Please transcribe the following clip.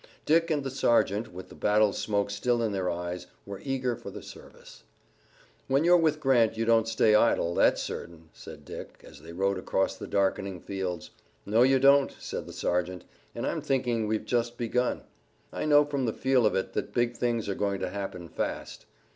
Dick and the sergeant, with the battle smoke still in their eyes, were eager for the service. "When you're with Grant you don't stay idle, that's certain," said Dick as they rode across the darkening fields. "No, you don't," said the sergeant, "and I'm thinking that we've just begun. I know from the feel of it that big things are going to happen fast.